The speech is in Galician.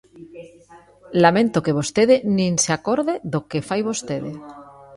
Lamento que vostede nin se acorde do que fai vostede.